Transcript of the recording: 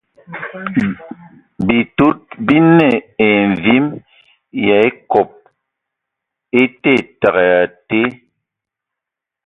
Bitud bi nə e mvim yə a ekob e tɔ təgɛ atɛ.